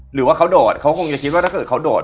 หรือว่าเขาโดดเขาคงจะคิดว่าถ้าเกิดเขาโดด